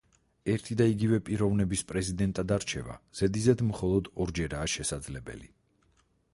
ერთი და იგივე პიროვნების პრეზიდენტად არჩევა ზედიზედ მხოლოდ ორჯერაა შესაძლებელი.